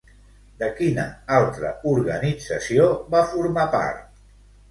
De quina altra organització va formar part?